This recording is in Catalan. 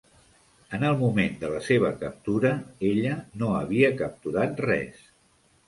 En el moment de la seva captura, ella no havia capturat res.